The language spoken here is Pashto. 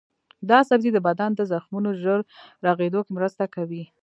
دا سبزی د بدن د زخمونو ژر رغیدو کې مرسته کوي.